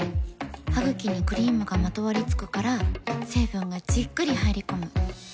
ハグキにクリームがまとわりつくから成分がじっくり入り込む。